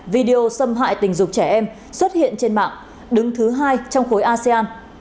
video xâm hại tình dục trẻ em xuất hiện trên mạng đứng thứ hai trong khối asean